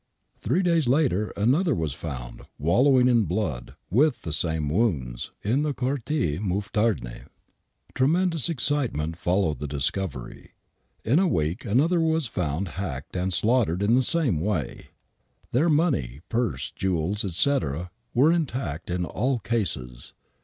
Three days later another was found wallowing in blood,, with the same wounds, in the Quartier Mouffetarde. Tremedous excitement followed the discovery. In a week another was found hacked and slaughtered in the same way. mUmmMwsa^iaui 58 THE WHITECHAPEL MURDERS Th^r money, purse, jewels, etc., were intact in all cases.